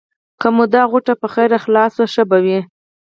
که مو دا غوټه په خیر خلاصه شوه؛ ښه به وي.